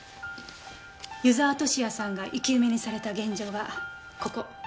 湯沢敏也さんが生き埋めにされた現場はここ。